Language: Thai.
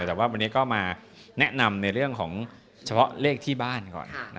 แต่ว่าวันนี้ก็มาแนะนำในเรื่องของเฉพาะเลขที่บ้านก่อน